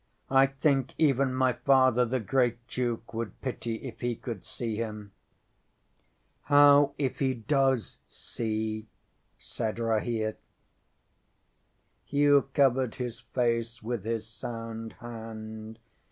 ŌĆ£I think even my Father the Great Duke would pity if he could see him. ŌĆØ ŌĆśŌĆ£How if he does see? ŌĆØ said Rahere. ŌĆśHugh covered his face with his sound hand.